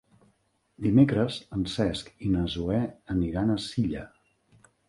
Dimecres en Cesc i na Zoè aniran a Silla.